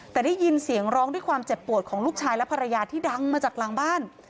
แต่ได้ยินเสียงร้องด้วยความเจ็บปวดของลูกชายและภรรยาที่ดังมาจากหลังบ้าน